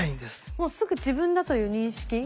もうすぐ自分だという認識。